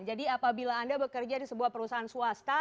jadi apabila anda bekerja di sebuah perusahaan swasta